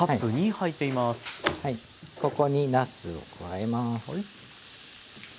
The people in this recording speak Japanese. ここになすを加えます。